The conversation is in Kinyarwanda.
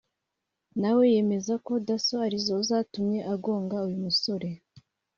na we yemeza ko Dasso ari zo zatumye agonga uyu musore